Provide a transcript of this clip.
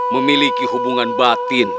memiliki hubungan batin